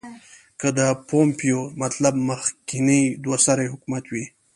که د پومپیو مطلب مخکنی دوه سری حکومت وي.